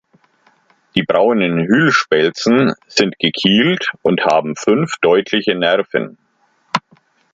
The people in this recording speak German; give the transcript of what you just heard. Die braunen Hüllspelzen sind gekielt und haben fünf deutliche Nerven.